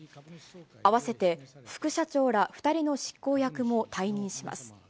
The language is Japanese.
併せて副社長ら２人の執行役も退任します。